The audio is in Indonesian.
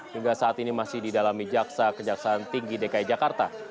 hingga saat ini masih didalami jaksa kejaksaan tinggi dki jakarta